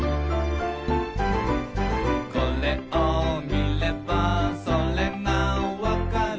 「これをみればそれがわかる」